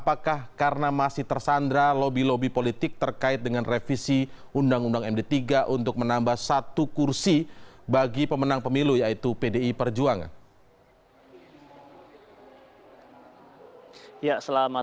pasal mana saja yang akan diubah nantinya